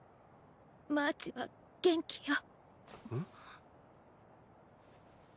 「マーチは元気よ」。